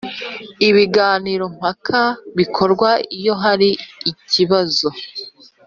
ibiganiro mpaka bikorwa iyo hari ikibazo